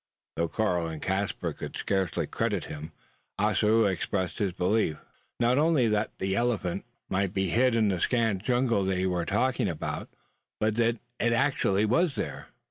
Though Karl and Caspar could scarcely credit him, Ossaroo expressed his belief, not only that the elephant might be hid in the scant jungle they were talking about, but that it actually was there.